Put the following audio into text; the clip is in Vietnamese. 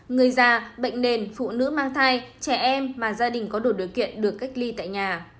người già bệnh nền phụ nữ mang thai trẻ em mà gia đình có đủ điều kiện được cách ly tại nhà